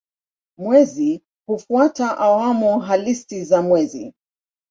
Mwezi hufuata awamu halisi za mwezi.